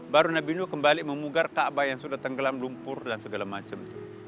baru nabi nuh kembali memugar kaabah yang sudah tenggelam lumpur dan segala macam